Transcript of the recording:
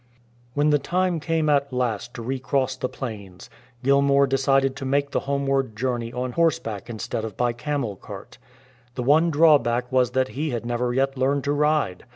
When the time came at last to recross the plains, Gilmour decided to make the homeward journey on horse back instead of by camel cart. The one drawback was that he had never yet learned to ride.